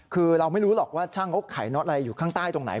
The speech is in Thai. คือเราไม่รู้หรอกว่าช่างเขาขายน็อตอะไรอยู่ข้างใต้ตรงไหน